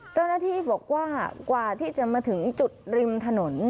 เจ้าหน้าที่บอกว่ากว่าที่จะมาถึงจุดริมถนน